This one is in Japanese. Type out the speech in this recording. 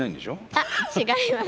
あっ違います。